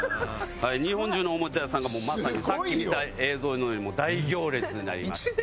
日本中のおもちゃ屋さんがまさにさっき見た映像のように大行列になりまして。